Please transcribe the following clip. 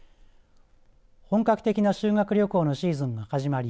本格的な修学旅行のシーズンが始まり